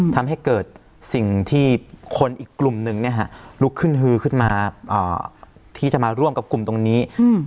ทำให้เกิดสิ่งที่คนอีกกลุ่มหนึ่งลุกขึ้นฮือขึ้นมาที่จะมาร่วมกับกลุ่มตรงนี้